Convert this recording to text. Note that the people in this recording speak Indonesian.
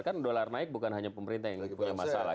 kan dolar naik bukan hanya pemerintah yang punya masalah